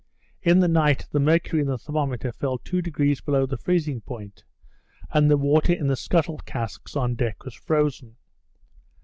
In the night the mercury in the thermometer fell two degrees below the freezing point; and the water in the scuttle casks on deck was frozen.